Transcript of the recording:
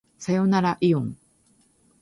さよならいおん